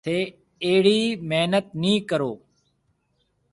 ٿَي اھڙِي محنت نِي ڪرو۔